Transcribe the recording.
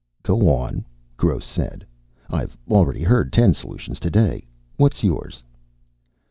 "Go on," Gross said. "I've already heard ten solutions today. What's yours?"